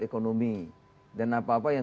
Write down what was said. ekonomi dan apa apa yang